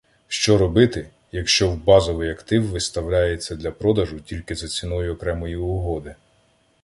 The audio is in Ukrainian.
Що робити, якщо в базовий актив виставляється для продажу тільки за ціною окремої угоди?